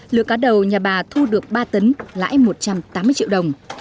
lừa cá đầu nhà bà thu được ba tấn lãi một trăm tám mươi triệu đồng